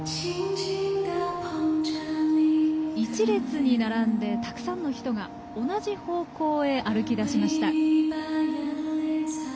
１列に並んで、たくさんの人が同じ方向へ歩き出しました。